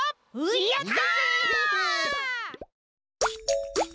やった！